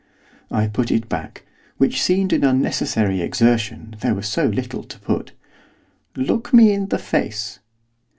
I put it back, which seemed an unnecessary exertion, there was so little to put. 'Look me in the face.